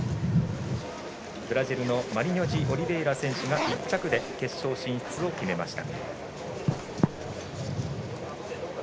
ブラジルのマリニョジオリベイラ選手が１着で決勝進出を決めました。